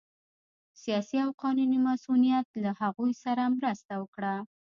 سیاسي او قانوني مصونیت له هغوی سره مرسته وکړه